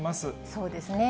そうですね。